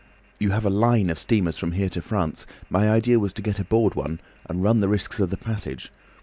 You have a line of steamers from here to France. My idea was to get aboard one and run the risks of the passage.